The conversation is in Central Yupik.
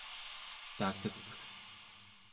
tatek